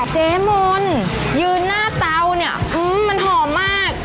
เจ๊มนยืนหน้าเตาเนี่ยมันหอมมาก